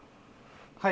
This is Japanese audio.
はい。